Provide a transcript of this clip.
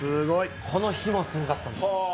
この日もすごかったんです。